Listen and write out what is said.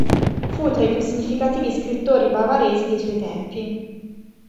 Fu tra i più significativi scrittori bavaresi dei suoi tempi.